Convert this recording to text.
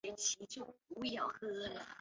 河岸岩荠为十字花科岩荠属下的一个种。